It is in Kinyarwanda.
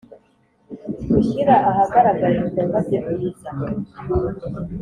gushyira ahagaragara ibikorwa bye byiza.